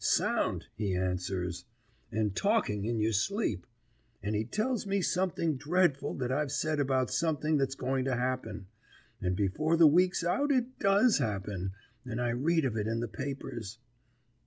"Sound," he answers, "and talking in your sleep." And he tells me something dreadful that I've said about something that's going to happen; and before the week's out it does happen, and I read of it in the papers.